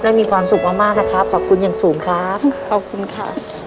และมีความสุขมากมากนะครับขอบคุณอย่างสูงครับขอบคุณค่ะ